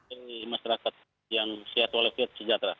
dan masyarakat yang sehat walau fiat sejahtera